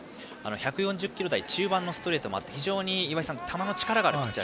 １４０キロ台中盤のストレートもあって非常に球の力があるピッチャー。